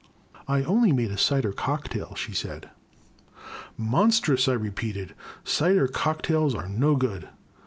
I only made a cider cocktail, she said. Monstrous! I repeated, cider cocktails are no good.